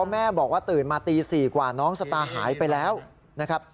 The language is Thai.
แม่บอกว่าตื่นมาตี๔กว่าน้องสตาร์หายไปแล้วนะครับ